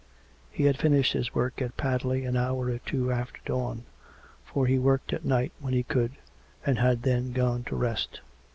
He had finished his work at Padley an hour or two after dawn — for he worked at night when he could, and had then gone to rest.